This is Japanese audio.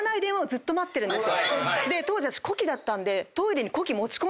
で当時私子機だったんで。